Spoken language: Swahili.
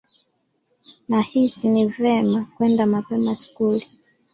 Nahisi ni vyema kwenda mapema Skuli.